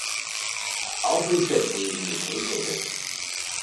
All three chips were used in the ColecoVision.